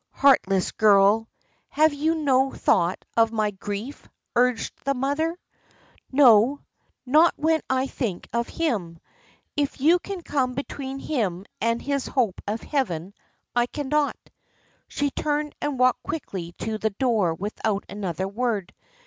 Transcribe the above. "Heartless girl. Have you no thought of my grief?" urged the mother. "No, not when I think of him. If you can come between him and his hope of heaven I cannot." She turned and walked quickly to the door without another word.